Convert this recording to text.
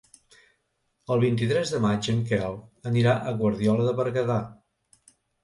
El vint-i-tres de maig en Quel anirà a Guardiola de Berguedà.